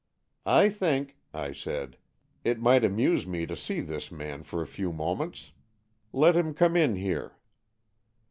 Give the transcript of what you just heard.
" I think," I said, " it might amuse me to see this man for a few moments. Let him come in here."